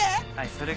それが。